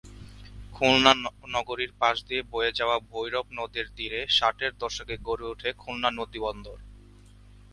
খুলনা নগরীর পাশ দিয়ে বয়ে যাওয়া ভৈরব নদের তীরে ষাটের দশকে গড়ে ওঠে খুলনা নদীবন্দর।